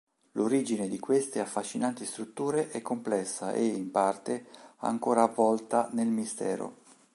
L'origine di queste affascinanti strutture è complessa e, in parte, ancora avvolta nel mistero.